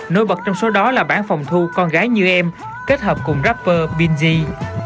nôi bật trong số đó là bản phòng thu con gái như em kết hợp cùng rapper binzzy